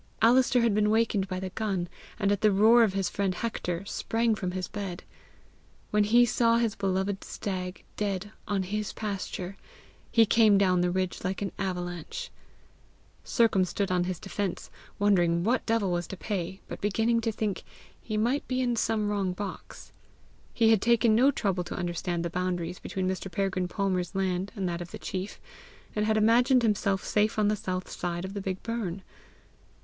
Alister had been waked by the gun, and at the roar of his friend Hector, sprang from his bed. When he saw his beloved stag dead on his pasture, he came down the ridge like an avalanche. Sercombe stood on his defence, wondering what devil was to pay, but beginning to think he might be in some wrong box. He had taken no trouble to understand the boundaries between Mr. Peregrine Palmer's land and that of the chief, and had imagined himself safe on the south side of the big burn.